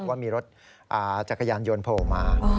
ว่ามีรถจักรยานยนต์โผล่มา